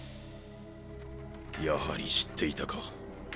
やはり知っていたか。